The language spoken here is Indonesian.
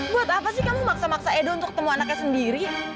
buat apa sih kamu maksa maksa edo untuk temu anaknya sendiri